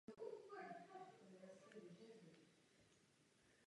Zprvu kostel neměl věž a vedle kostela poblíž dnešního polesí stála zvonice.